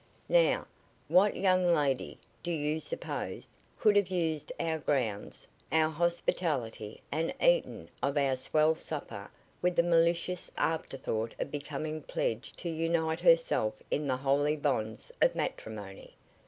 Now, what young lady, do you suppose, could have used our grounds, our hospitality and eaten of our swell supper with the malicious aforethought of becoming pledged to unite herself in the holy bonds of matrimony?